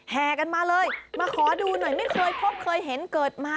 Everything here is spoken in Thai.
แห่กันมาเลยมาขอดูหน่อยไม่เคยพบเคยเห็นเกิดมา